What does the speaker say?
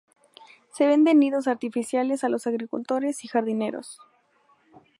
Se venden nidos artificiales a los agricultores y jardineros.